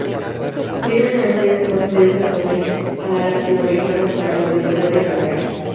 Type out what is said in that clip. Tiene una maestría en Estudios Latinoamericanos por la Universidad de Cambridge.